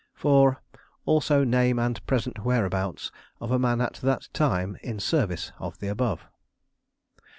4. Also name and present whereabouts of a man at that time in service of the above.